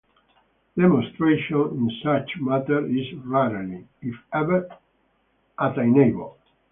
Demonstration in such matters is rarely, if ever, attainable.